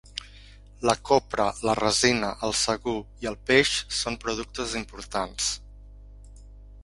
La copra, la resina, el sagú i el peix són productes importants.